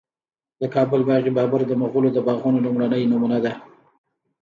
د کابل باغ بابر د مغلو د باغونو لومړنی نمونه ده